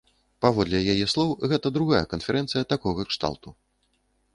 Паводле яе слоў, гэта другая канферэнцыя такога кшталту.